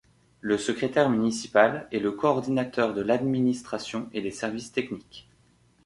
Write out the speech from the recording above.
Le Secrétaire municipal est le coordinateur de l’administration et des services techniques.